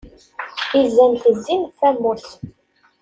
Izan ttezzin ɣef wamus.